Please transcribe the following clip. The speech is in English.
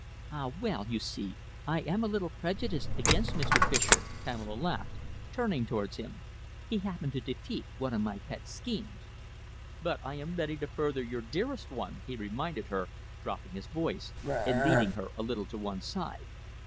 "Ah, well, you see, I am a little prejudiced against Mr. Fischer," Pamela laughed, turning towards him. "He happened to defeat one of my pet schemes." "But I am ready to further your dearest one," he reminded her, dropping his voice, and leading her a little on one side.